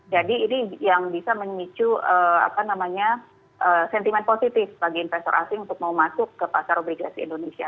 jadi ini yang bisa menicu apa namanya sentimen positif bagi investor asing untuk mau masuk ke pasar obligasi indonesia